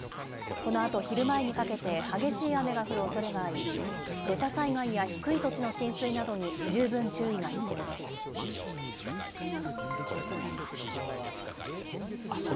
このあと昼前にかけて、激しい雨が降るおそれがあり、土砂災害や低い土地の浸水などに十分注意が必要です。